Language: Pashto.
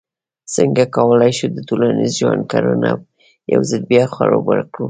څنګه کولای شو د ټولنیز ژوند کرونده یو ځل بیا خړوبه کړو.